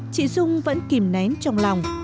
chị dung vẫn kìm nén trong lòng